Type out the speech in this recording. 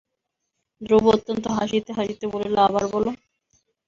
ধ্রুব অত্যন্ত হাসিতে হাসিতে বলিল, আবার বলো।